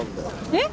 えっ？